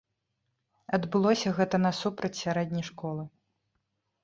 Адбылося гэта насупраць сярэдняй школы.